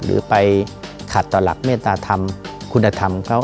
หรือไปขัดต่อหลักเมตตาธรรมคุณธรรมเขา